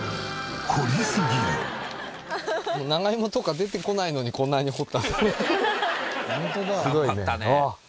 長芋とか出てこないのにこんなに掘った？